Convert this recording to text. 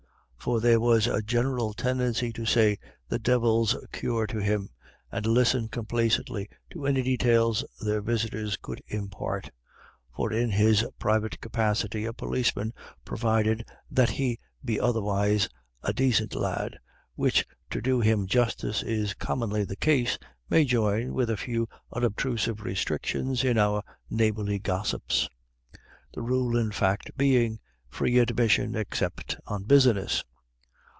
So there was a general tendency to say, "The divil's cure to him," and listen complacently to any details their visitors could impart. For in his private capacity a policeman, provided that he be otherwise "a dacint lad," which to do him justice is commonly the case, may join, with a few unobtrusive restrictions, in our neighborly gossips; the rule in fact being Free admission except on business.